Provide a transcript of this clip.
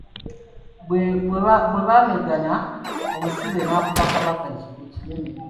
Bwe baameggana, omusibe n'akuba Kabaka ekigwo kinene.